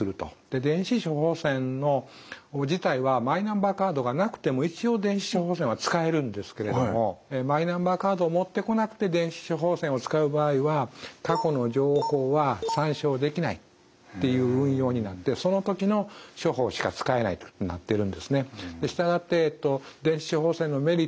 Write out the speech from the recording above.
電子処方箋自体はマイナンバーカードがなくても一応電子処方箋は使えるんですけれどもマイナンバーカードを持ってこなくて電子処方箋を使う場合は過去の情報は参照できないという運用になってその時の処方しか使えないとなってるんですね。